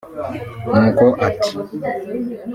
nuko ati